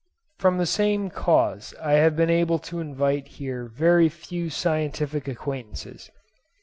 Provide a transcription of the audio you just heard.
From the same cause I have been able to invite here very few scientific acquaintances.